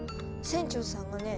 船長さんがね